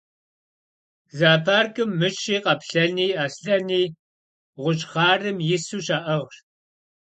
Zooparkım mışi, khaplheni, aslheni ğuş' xharım yisu şa'ığş.